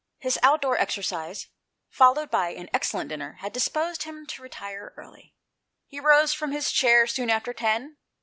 His outdoor exercise, followed by an excellent dinner, had disposed him to retire early; he rose from his chair soon after ten.